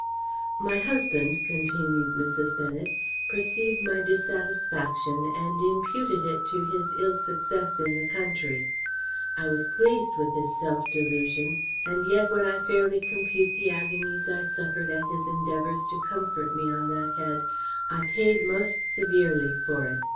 "My husband," continued Mrs. Bennet, "perceived my dissatisfaction, and imputed it to his ill success in the country. I was pleased with this self delusion, and yet, when I fairly compute the agonies I suffered at his endeavours to comfort me on that head, I paid most severely for it.